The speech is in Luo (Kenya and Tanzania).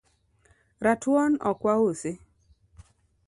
Ratuon ok wausi